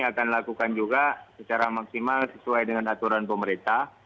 kita akan lakukan juga secara maksimal sesuai dengan aturan pemerintah